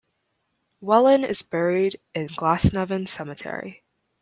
Whelan is buried in Glasnevin Cemetery.